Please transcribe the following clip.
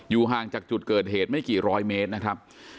ห่างจากจุดเกิดเหตุไม่กี่ร้อยเมตรนะครับ